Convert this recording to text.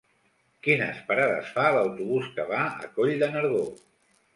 Quines parades fa l'autobús que va a Coll de Nargó?